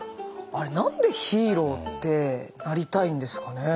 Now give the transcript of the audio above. あれ何でヒーローってなりたいんですかね。